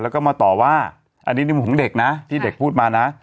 แล้วก็มาต่อว่าอันนี้ในมุมของเด็กนะที่เด็กพูดมานะ